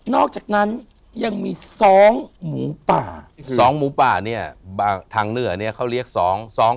นอกจากนั้นยังมีสองหมูป่าสองหมูป่าเนี้ยอ่าทางเหนือเนี้ยเขาเรียกสอง